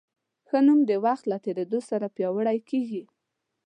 ښه نوم د وخت له تېرېدو سره پیاوړی کېږي.